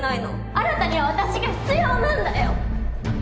新には私が必要なんだよ